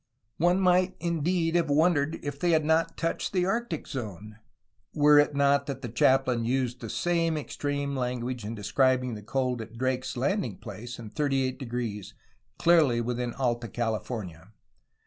One might indeed have wondered if they had not touched the Arctic Zone, were it not that the chaplain used the same extreme language in describing the cold at Drake's landing place in 38°, clearly within Alta California.